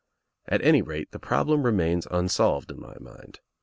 At any rate, the problem remains unsolved in my mind.